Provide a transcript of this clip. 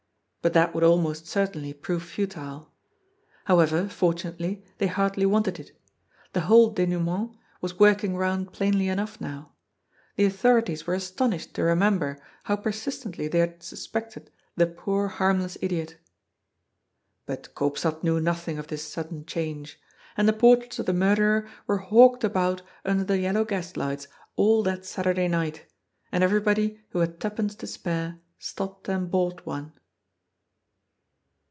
But that would almost certainly prove futile. However, fortunately, they hardly wanted it. The whole denouement was working round plainly enough now. The authorities were astonished to remember how persistently they had suspected the poor, harmless idiot. But Eoopstad knew nothing of this sudden change. And the portraits of the murderer were hawked about under the yellow gaslights all that Saturday night, and everybody who had twopence to spare stopped and bought one.